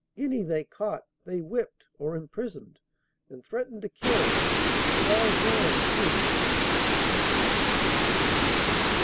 Any they caught they whipped or imprisoned and threatened to kill. And our Jean too